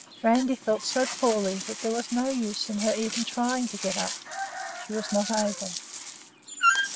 Randi felt so poorly that there was no use in her even trying to get up. She was not able.